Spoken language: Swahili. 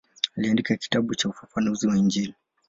Aliandika kitabu cha ufafanuzi wa Injili.